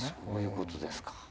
そういうことですか。